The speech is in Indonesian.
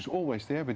dan itu juga membuat